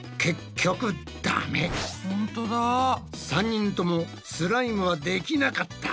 ３人ともスライムはできなかった！